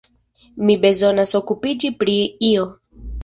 Mi bezonas okupiĝi pri io.